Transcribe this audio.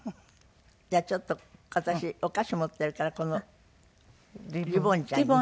じゃあちょっと私お菓子持ってるからこのリボンちゃんに。